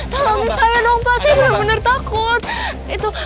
tolongin saya dong pak saya bener bener takut